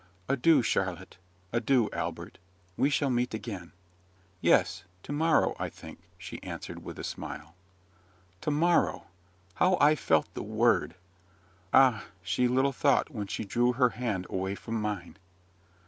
Adieu, Charlotte; adieu, Albert. We shall meet again." "Yes: tomorrow, I think," she answered with a smile. Tomorrow! how I felt the word! Ah! she little thought, when she drew her hand away from mine.